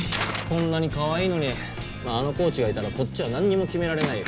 こんなにかわいいのにまああのコーチがいたらこっちは何も決められないよ